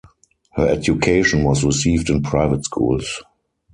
Her education was received in private schools.